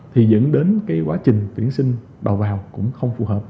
thì dẫn đến cái quá trình tuyển sinh đầu vào cũng không phù hợp